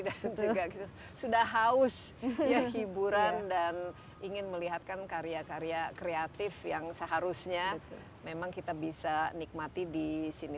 dan juga sudah haus ya hiburan dan ingin melihatkan karya karya kreatif yang seharusnya memang kita bisa nikmati di sini